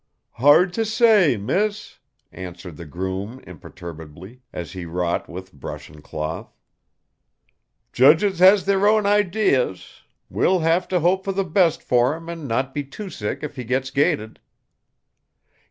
"Hard to say, Miss," answered the groom imperturbably, as he wrought with brush and cloth. "Judges has their own ideas. We'll have to hope for the best for him and not be too sick if he gets gated."